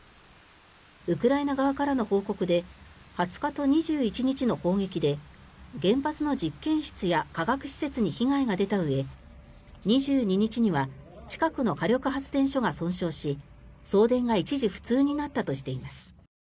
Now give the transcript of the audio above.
ウクライナ側からの報告で２０日と２１日の砲撃で原発の実験室や化学施設に被害が出たうえ２２日には近くの火力発電所が損傷し送電が一時不通になったとしています。